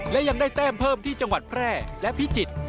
และยังได้แต้มเพิ่มที่จังหวัดแพร่และพิจิตร